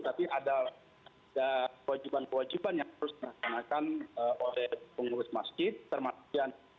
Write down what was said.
tapi ada kewajiban kewajiban yang harus dilaksanakan oleh pengurus masjid termasuk